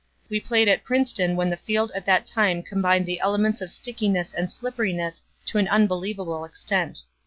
We played at Princeton when the field at that time combined the elements of stickiness and slipperiness to an unbelievable extent.